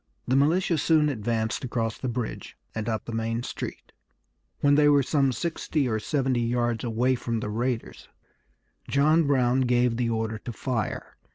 The militia soon advanced across the bridge and up the main street. When they were some sixty or seventy yards away from the raiders John Brown gave the order to fire.